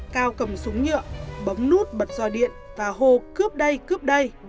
cao cầm súng nhựa bấm nút bật dò điện và hồ cướp đây cướp đây